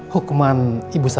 hukuman ibu sarah